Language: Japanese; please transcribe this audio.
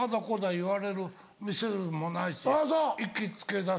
言われる店でもないし行きつけだし。